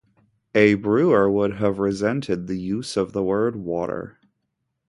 "A brewer would have resented the use of the word "water"."